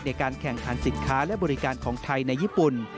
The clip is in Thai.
ในการแข่งขันสินค้าและบริการของไทยในญี่ปุ่น